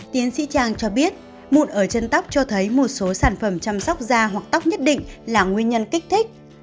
tiến sĩ trang cho biết mụn ở chân tóc cho thấy một số sản phẩm chăm sóc da hoặc tóc nhất định là nguyên nhân kích thích